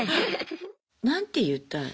何て言ったの？